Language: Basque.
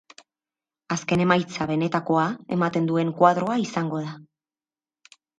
Azken emaitza benetakoa ematen duen koadroa izango da.